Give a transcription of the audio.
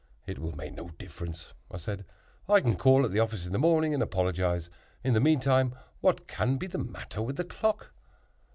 "It will make no difference," I said: "I can call at the office in the morning and apologize; in the meantime what can be the matter with the clock?"